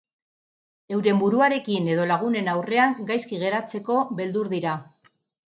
Euren buruarekin edo lagunen aurrean gaizki geratzeko beldur dira.